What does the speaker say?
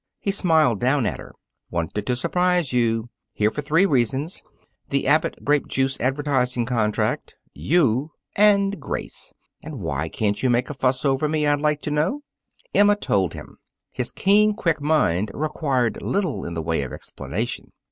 He smiled down at her. "Wanted to surprise you. Here for three reasons the Abbott Grape juice advertising contract, you, and Grace. And why can't you make a fuss over me, I'd like to know?" Emma told him. His keen, quick mind required little in the way of explanation.